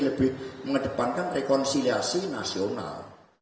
lebih mengedepankan rekonsiliasi nasional